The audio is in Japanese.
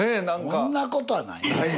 そんなことはないから。